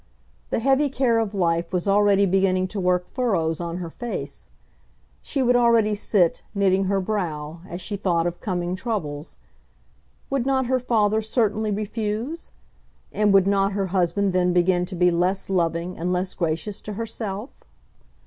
The heavy care of life was already beginning to work furrows on her face. She would already sit, knitting her brow, as she thought of coming troubles. Would not her father certainly refuse? And would not her husband then begin to be less loving and less gracious to herself?